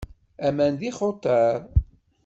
Aman d ixutar.